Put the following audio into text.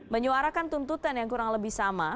menyuarakan tuntutan yang kurang lebih sama